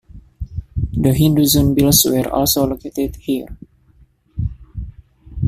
The Hindu Zunbils were also located here.